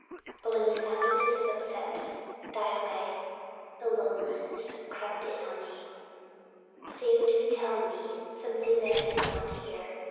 But when the sound of his footsteps died away, the loneliness crept in on me, seemed to be telling me something that I didn't want to hear.